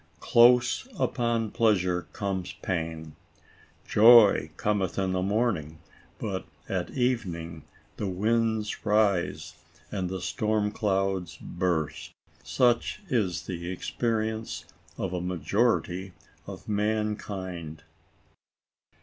Close upon pleasure comes pain ; joy cometh in the morning, but, at evening, the winds rise and the storm clouds burst. Such is the ex perience of a majority of mankind.